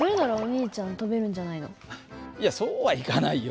いやそうはいかないよ。